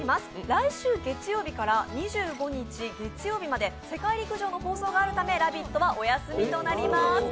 来週月曜日から２５日月曜日まで世界陸上の放送があるため、「ラヴィット！」はお休みとなります。